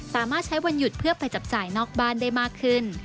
สามารถใช้วันหยุดเพื่อไปจับจ่ายนอกบ้านได้มากขึ้น